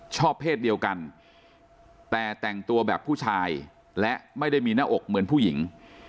ชอบเพศเดียวกันแต่แต่งตัวแบบผู้ชายและไม่ได้มีหน้าอกเหมือนผู้หญิง